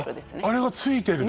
あれが付いてるの？